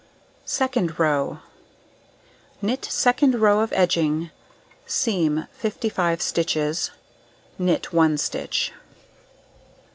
Second row: Knit second row of edging, seam 55 stitches, knit 1 stitch.